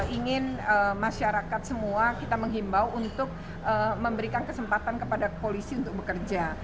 ingin masyarakat semua kita menghimbau untuk memberikan kesempatan kepada polisi untuk bekerja